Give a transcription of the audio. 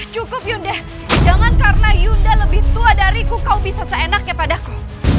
cukup yundeh jangan karena yunda lebih tua dariku kau bisa seenaknya padaku